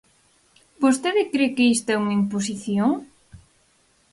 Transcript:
¡¿Vostede cre que isto é unha imposición?!